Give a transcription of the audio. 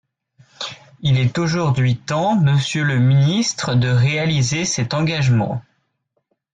Il est aujourd’hui temps, monsieur le ministre, de réaliser cet engagement.